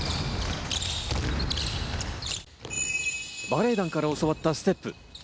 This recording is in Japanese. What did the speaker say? バレエ団から教わったステップ。